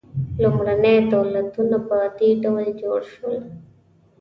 لومړني دولتونه په دې ډول جوړ شول.